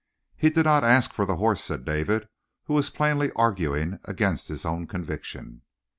"He did not ask for the horse," said David, who was plainly arguing against his own conviction.